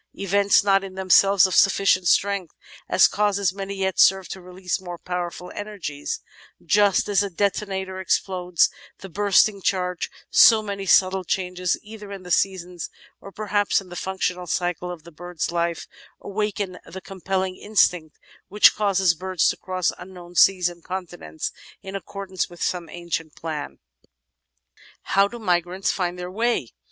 Events not in themselves of sufficient strength as causes may yet serve to release more powerful energies, just as a detonator explodes the bursting charge: so many subtle changes, either in the seasons or perhaps in the functional cycle of the bird's life, awaken the compelling instinct which causes birds to cross unknown seas and continents in accordance with some ancient plan. How do Migrants Find their Way?